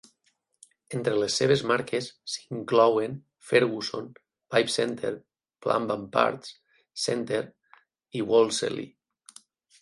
Entre les seves marques s"hi inclouen Ferguson, Pipe Centre, Plumb and Parts Centre i Wolseley.